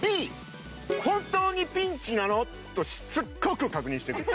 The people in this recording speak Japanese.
Ｂ「本当にピンチなの？」としつこく確認してくる。